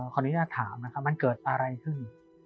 ขออนุญาตถามนะครับมันเกิดอะไรขึ้น